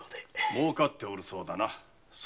もうかっておるそうだな店は。